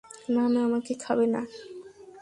না, না, আমাকে খাবে না।